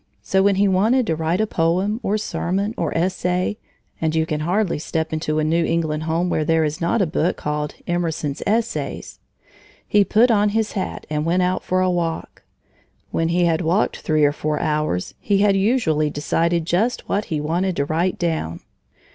So when he wanted to write a poem, or sermon, or essay, (and you can hardly step into a New England home where there is not a book called Emerson's Essays) he put on his hat and went out for a walk. When he had walked three or four hours, he had usually decided just what he wanted to write down.